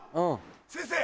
先生！